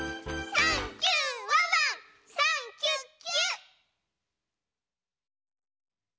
「サンキュ！ワンワンサンキュッキュ！」